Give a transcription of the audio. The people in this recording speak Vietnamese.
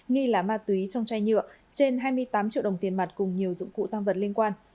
nghi là ma túy trong chai nhựa trên hai mươi tám triệu đồng tiền mặt cùng nhiều dụng cụ tam vật liên quan